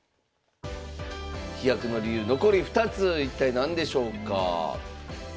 飛躍の理由残り２つ一体何でしょうか。